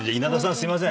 すいません。